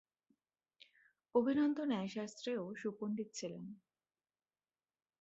অভিনন্দ ন্যায়শাস্ত্রেও সুপন্ডিত ছিলেন।